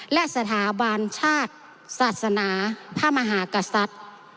และสถาบันชาติศาสนาพระมหากษัตริย์